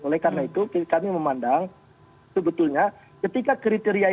oleh karena itu kami memandang sebetulnya ketika kriteria ini kita tetapkan baru pemerintah akan menginduk